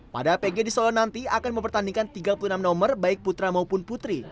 pada pg di solo nanti akan mempertandingkan tiga puluh enam nomor baik putra maupun putri